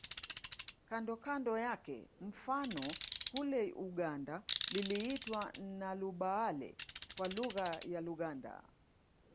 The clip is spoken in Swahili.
Kando kando yake mfano kule Uganda liliitwa Nnalubaale kwa lugha ya Luganda